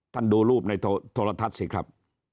ท่านดูรูปในโทรทัศน์สิครับ